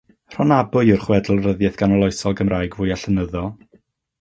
“Rhonabwy” yw'r chwedl ryddiaith ganoloesol Gymraeg fwyaf llenyddol.